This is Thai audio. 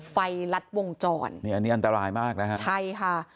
ลัดวงจรนี่อันนี้อันตรายมากนะฮะใช่ค่ะ